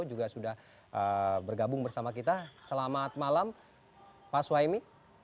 juga sudah bergabung bersama kita selamat malam pak suhaimi